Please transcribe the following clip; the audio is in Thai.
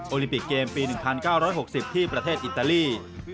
ลิมปิกเกมปี๑๙๖๐ที่ประเทศอิตาลี